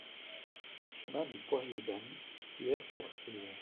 Chemin du Poirier d'Anne, Pierre-Percée